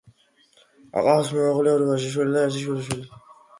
ჰყავს მეუღლე, ორი ვაჟიშვილი და ერთი შვილიშვილი.